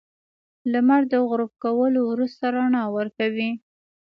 • لمر د غروب کولو وروسته رڼا ورکوي.